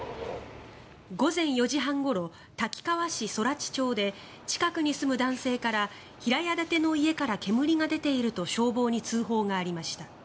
午前４時半ごろ滝川市空知町で近くに住む男性から平屋建ての家から煙が出ていると消防に通報がありました。